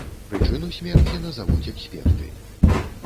Прычыну смерці назавуць эксперты.